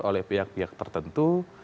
oleh pihak pihak tertentu